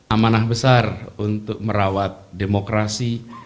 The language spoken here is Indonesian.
amanah besar untuk merawat demokrasi